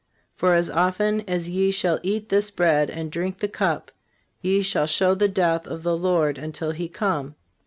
For, as often as ye shall eat this bread, and drink the cup, ye shall show the death of the Lord until He come.